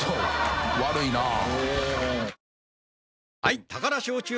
悪いなぁ。